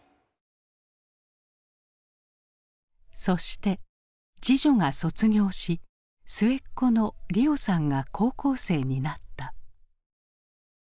そして次女が卒業し末っ子の莉緒さんが高校生になった。